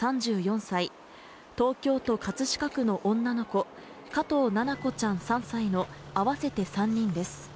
３４歳、東京都葛飾区の女の子、加藤七菜子ちゃん３歳の合わせて３人です。